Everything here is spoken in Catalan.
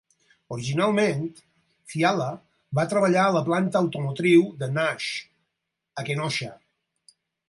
Originalment, Fiala va treballar a la planta automotriu de Nash a Kenosha.